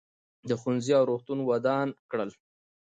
ده ښوونځي او روغتونونه ودان کړل.